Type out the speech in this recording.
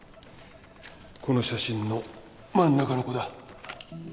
この写真の真ん中の子だ。